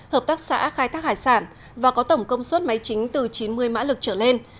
hợp tác xã khai thác hải sản và có tổng công suất máy chính từ chín mươi mã lực trở lên